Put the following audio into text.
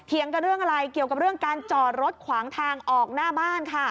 กันเรื่องอะไรเกี่ยวกับเรื่องการจอดรถขวางทางออกหน้าบ้านค่ะ